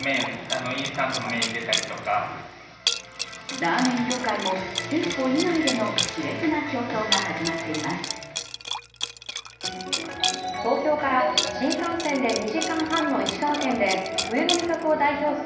ラーメン業界も店舗以外でのし烈な競争が始まっています。